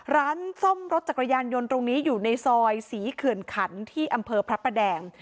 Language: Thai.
ร้านซ่อมรถจักรยานยนต์ตรงนี้อยู่ในซอยศรีเขื่อนขันที่อำเภอพระประแดง